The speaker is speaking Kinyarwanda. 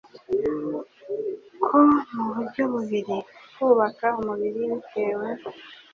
ko mu buryo bubiri: kubaka umubiri bitewe